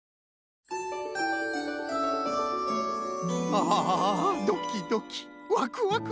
ああドキドキワクワク。